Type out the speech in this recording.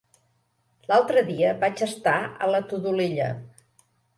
L'altre dia vaig estar a la Todolella.